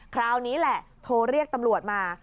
คราวนี้แหละโทรเรียกตำรวจมา